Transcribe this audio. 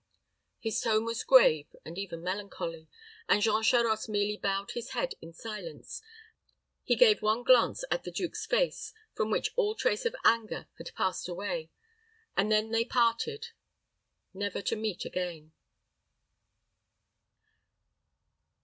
His tone was grave, and even melancholy; and Jean Charost merely bowed his head in silence. He gave one glance at the duke's face, from which all trace of anger had passed away, and then they parted never to meet again.